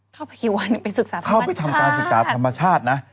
เข้าไปกี่วันนึงไปศึกษาธรรมชาติ